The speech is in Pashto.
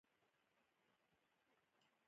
د ده کتاب له ماسره ده.